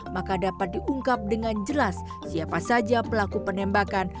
maka dapat diungkap dengan jelas siapa saja pelaku penembakan